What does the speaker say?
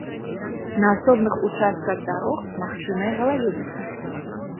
На асобных участках дарог магчымая галаледзіца.